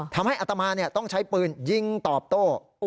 อัตมาต้องใช้ปืนยิงตอบโต้